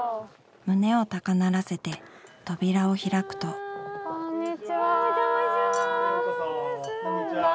胸を高鳴らせて扉を開くとこんにちは。